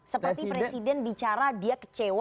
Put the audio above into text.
seperti presiden bicara dia kecewa